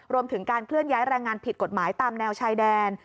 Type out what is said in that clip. รวมถึงการเคลื่อนย้ายแรงงานผิดกฎหมายตามแนวชายแดน